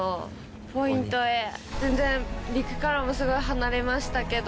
全然陸からもすごい離れましたけど。